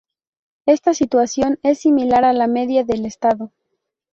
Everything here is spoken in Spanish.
Esta situación es similar a la media del estado.